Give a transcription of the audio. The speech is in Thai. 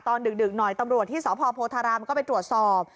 ดึกหน่อยตำรวจที่สพโพธารามก็ไปตรวจสอบ